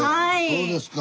そうですか。